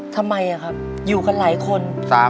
ทำไมครับอยู่กันหลายคน